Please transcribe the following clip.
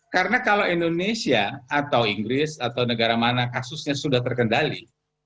karena kalau indonesia atau inggris atau negara mana kasusnya sudah terkendali